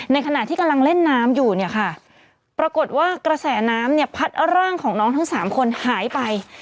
ขณะที่กำลังเล่นน้ำอยู่เนี่ยค่ะปรากฏว่ากระแสน้ำเนี่ยพัดร่างของน้องทั้งสามคนหายไป